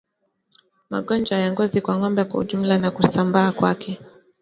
Magonjwa ya ngozi kwa ngombe kwa ujumla na kusambaa kwake